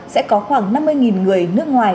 sẽ có khoảng năm mươi người nước ngoài